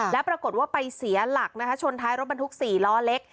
และปรากฎว่าไปเสียหลักชนท้ายรถบรรทุกสี่ล้อเล็ก